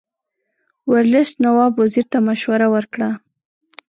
ورلسټ نواب وزیر ته مشوره ورکړه.